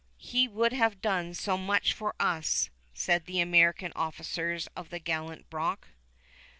"He would have done as much for us," said the American officers of the gallant Brock.